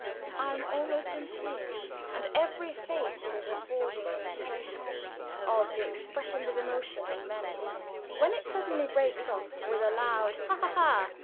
'" I am almost in tears, and every face is affording illustrations for "The Expressions of the Emotions in Men and Women," when it suddenly breaks off with a loud, Ha! ha! ha!